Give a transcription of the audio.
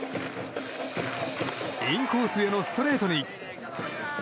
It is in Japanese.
インコースへのストレートに。